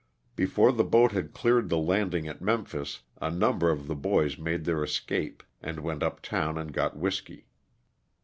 Before the boat had cleared the landing at Memphis a number of the boys made their escape and went up town and got whiskey.